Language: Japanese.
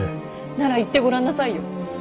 なら言ってごらんなさいよ。